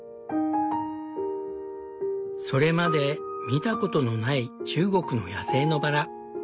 それまで見たことのない中国の野生のバラ。